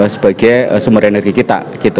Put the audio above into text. sebagai sumber energi kita